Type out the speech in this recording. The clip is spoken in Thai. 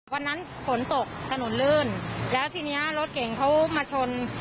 วันนั้นฝนตกถนนลื่นแล้วทีนี้รถเก่งเขามาชน